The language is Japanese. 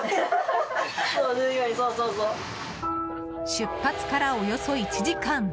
出発からおよそ１時間。